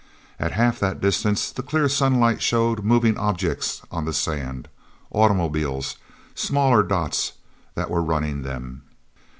At half that distance the clear sunlight showed moving objects on the sand: automobiles, smaller dots that were running them.